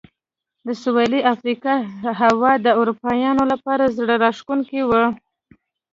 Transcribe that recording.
د سوېلي افریقا هوا د اروپایانو لپاره زړه راښکونکې وه.